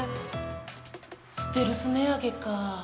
ステルス値上げか。